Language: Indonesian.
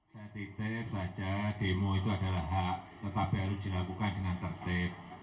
saya tidak baca demo itu adalah hak tetapi harus dilakukan dengan tertib